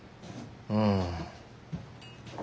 うん。